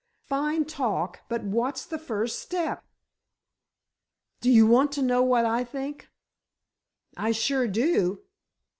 "Fine talk, but what's the first step?" "Do you want to know what I think?" "I sure do."